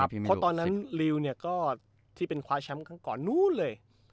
เพราะตอนนั้นลิวก็ที่เป็นคว้าแชมป์ครั้งก่อนนู้นเลย